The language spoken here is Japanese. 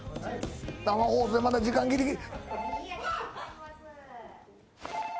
生放送でまだ時間ギリギリ。